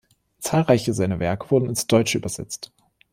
Zahlreiche seiner Werke wurden ins Deutsche übersetzt.